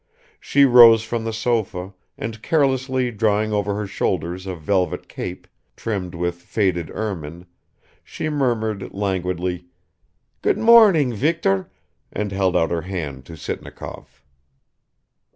She rose from the sofa, and carelessly drawing over her shoulders a velvet cape trimmed with faded ermine, she murmured languidly, "Good morning, Viktor," and held out her hand to Sitnikov.